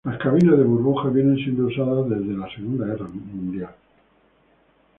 Las cabinas de burbuja vienen siendo usadas desde la Segunda Guerra Mundial.